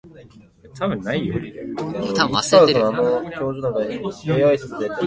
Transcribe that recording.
ハンカチを見てやっと思い出せるほど昔のことだった